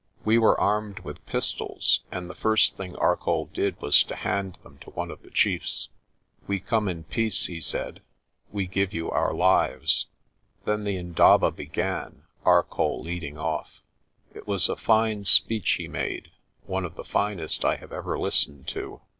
We were armed with pistols and the first thing Arcoll did was to hand them to one of the chiefs. "We come in peace," he said. "We give you our lives." Then the indaba began, Arcoll leading off. It was a fine speech he made, one of the finest I have ever listened to.